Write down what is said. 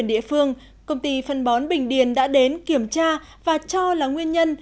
trong huyện địa phương công ty phân bón bình điền đã đến kiểm tra và cho là nguyên nhân